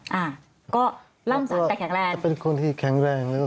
แหละอ่าก็ร่างสรรค์แต่แข็งแรงเป็นคนที่แข็งแรงแล้วก็